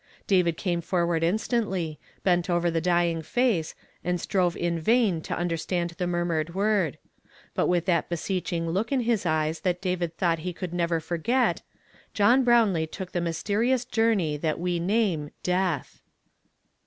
David came forward instantly, bent over the dying face, and strove in vain to understand the nun mured word; but with that beseeching look in his eyes that David thouglit he could never forget, John Brownlee took the mysterious jour ney that we name death.